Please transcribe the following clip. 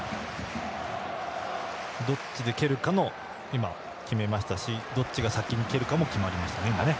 どっちで蹴るかを決めましたしどっちが先に蹴るかも今、決まりましたね。